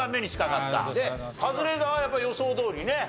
でカズレーザーはやっぱり予想どおりね。